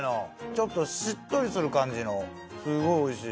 ちょっとしっとりする感じのすごいおいしい。